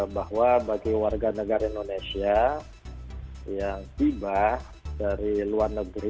bahwa bagi warga negara indonesia yang tiba dari luar negeri